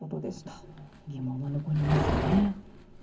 疑問は残りますね。